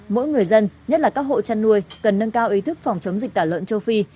mỗi người dân nhất là các hộ chăn nuôi cần nâng cao ý thức phòng chống dịch tả lợn châu phi